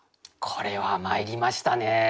これは参りましたね。